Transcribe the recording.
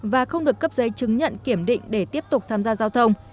và không được cấp giấy chứng nhận kiểm định để tiếp tục tham gia giao thông